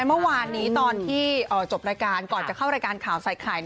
เมื่อวานนี้ตอนที่จบรายการก่อนจะเข้ารายการข่าวใส่ไข่